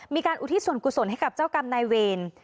อุทิศส่วนกุศลให้กับเจ้ากรรมนายเวร